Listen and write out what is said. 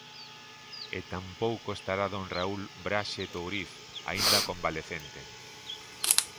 E tampouco estará don Raúl Braxe Touriz, aínda convalecente.